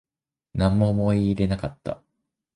なんも思い入れなかった